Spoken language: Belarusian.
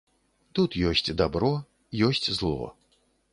Тут ёсць дабро, ёсць зло.